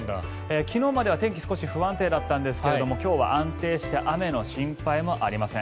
昨日までは天気少し不安定だったんですが今日は安定して雨の心配もありません。